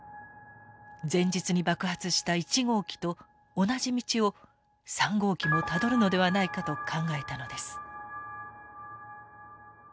前日に爆発した１号機と同じ道を３号機もたどるのではないかと考えたのです。